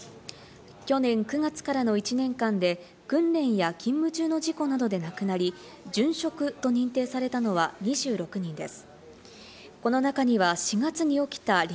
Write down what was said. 去年９月からの１年間で訓練や勤務中の事故などで亡くなり、殉職と認定されたのは２６人です。